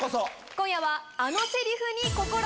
今夜は。